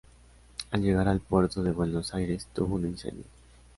Al llegar al Puerto de Buenos Aires tuvo un incendio.